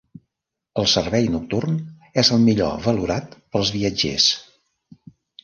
El servei nocturn és el millor valorat pels viatgers.